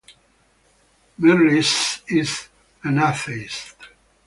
Mirrlees is an atheist.